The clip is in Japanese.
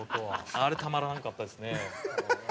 あれたまらなかったですね。